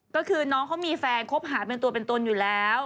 ก็คือน้องเขามีแฟนคบหาเป็นตัวเป็นตนอยู่แล้ว